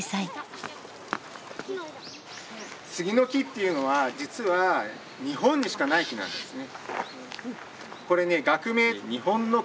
杉の木っていうのは実は日本にしかない木なんですね。